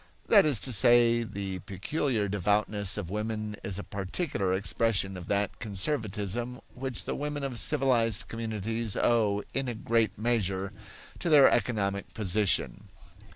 That is to say, the peculiar devoutness of women is a particular expression of that conservatism which the women of civilized communities owe, in great measure, to their economic position.